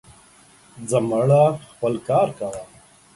زه مړه, خپل کار کوه.